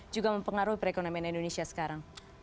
juga mempengaruhi perekonomian indonesia sekarang